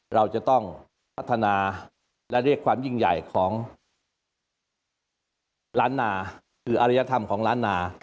เราจะต้องพัฒนาและเรียกความยิ่งใหญ่ของล้านนาคืออริยธรรมของล้านนา